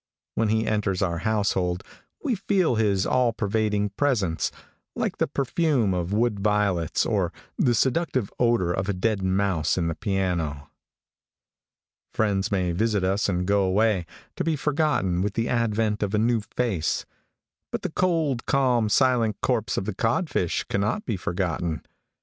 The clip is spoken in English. When he enters our household, we feel his all pervading presence, like the perfume of wood violets, or the seductive odor of a dead mouse in the piano. Friends may visit us and go away, to be forgotten with the advent of a new face; but the cold, calm, silent corpse of the codfish cannot be forgotten.